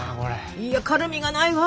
いや軽みがないわ。